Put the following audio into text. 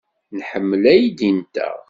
Nḥemmel aydi-nteɣ.